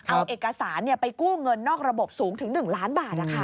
เอาเอกสารไปกู้เงินนอกระบบสูงถึง๑ล้านบาท